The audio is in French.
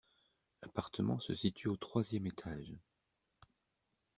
L’appartement se situe au troisième étage.